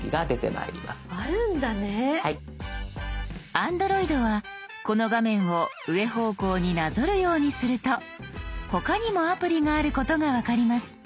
Ａｎｄｒｏｉｄはこの画面を上方向になぞるようにすると他にもアプリがあることが分かります。